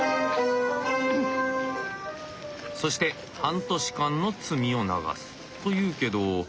そして半年間の罪を流すというけど。